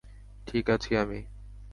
ঠিক আছি আমি!